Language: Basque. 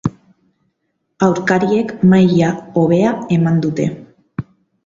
Aurkariek maila hobea eman dute.